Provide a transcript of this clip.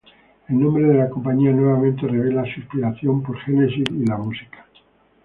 El nombre de la compañía nuevamente revela su inspiración por Genesis y la música.